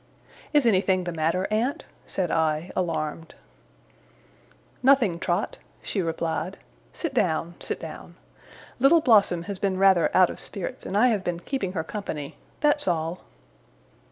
'Is anything the matter, aunt?' said I, alarmed. 'Nothing, Trot,' she replied. 'Sit down, sit down. Little Blossom has been rather out of spirits, and I have been keeping her company. That's all.